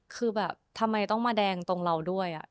คือแบบทำไมต้องมาแดงตรงเราด้วย